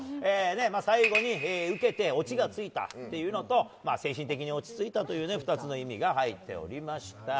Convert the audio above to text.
最後にウケてオチがついたというのと精神的に落ち着いたという２つの意味が入っておりました。